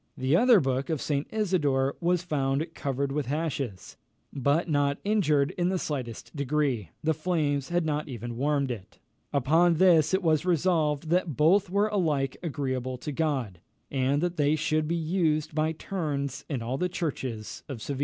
the other book of St. Isidore was found covered with ashes, but not injured in the slightest degree. The flames had not even warmed it. Upon this it was resolved, that both were alike agreeable to God, and that they should be used by turns in all the churches of Seville.